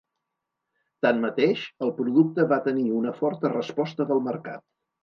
Tanmateix, el producte va tenir una forta resposta del mercat.